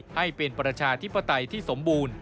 ให้เป็นประชาธิปไตยที่สมบูรณ์